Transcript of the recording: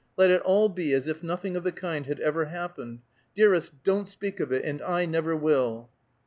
Let it all be as if nothing of the kind had ever happened. Dearest, don't speak of it, and I never will!"